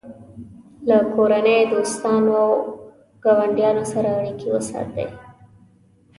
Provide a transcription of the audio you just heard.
له کورنۍ، دوستانو او ګاونډیانو سره اړیکې وساتئ.